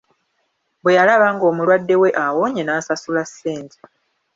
Bwe yalaba ng'omulwadde we awonye n'asasula ssente.